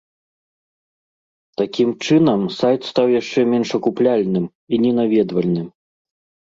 Такім чынам, сайт стаў яшчэ менш акупляльным і ненаведвальным.